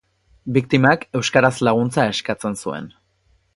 Biktimak euskaraz laguntza eskatzen zuen.